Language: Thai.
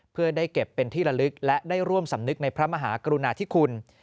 เพื่อได้เก็บเป็นที่ละลึกและได้ร่วมสำนึกในพระมหากรุณาธิคุณ